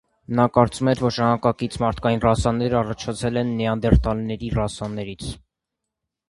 Նա կարծում էր, որ ժամանակակից մարդկային ռասաները առաջացել են նեանդերտալների ռասաներից։